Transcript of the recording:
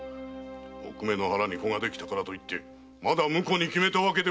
おくめに子ができたからといってまだ婿に決めたわけではない！